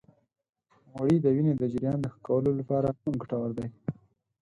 غوړې د وینې د جريان د ښه کولو لپاره هم ګټورې دي.